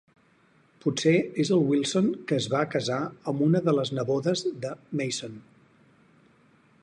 Potser és el Wilson que es va casar amb una de les nebodes de Mason.